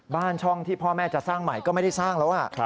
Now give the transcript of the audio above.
บ้านช่องที่พ่อแม่จะสร้างใหม่ก็ไม่ได้สร้างแล้ว